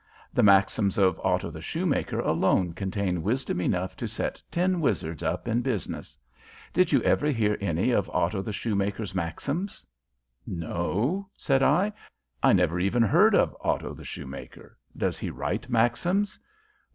The maxims of Otto the Shoemaker alone contain wisdom enough to set ten wizards up in business. Did you ever hear any of Otto the Shoemaker's maxims?" "No," said I. "I never even heard of Otto the Shoemaker. Does he write maxims?"